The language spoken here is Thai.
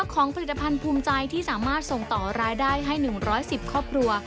ของผลิตภัณฑ์ภูมิใจที่สามารถส่งต่อรายได้ให้๑๑๐ครอบครัว